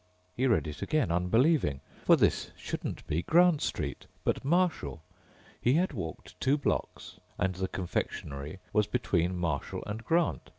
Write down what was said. He read it again, unbelieving, for this shouldn't be Grant Street, but Marshall. He had walked two blocks and the confectionery was between Marshall and Grant.